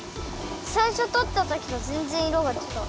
さいしょとったときとぜんぜんいろがちがう。